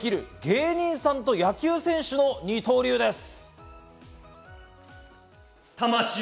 芸人さんと野球選手の二刀流です。